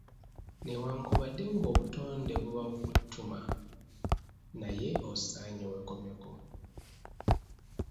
Newankubadde ng'obutonde buba bukutuma naye osaanye weekomeko.